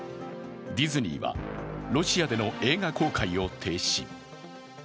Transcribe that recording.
ディズニーは、ロシアでの映画公開を停止。